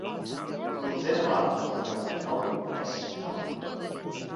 L'onzena part de noranta-nou és nou.